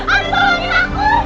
adi tolongin aku